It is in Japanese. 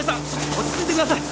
落ち着いてください！